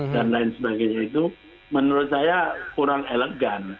dan lain sebagainya itu menurut saya kurang elegan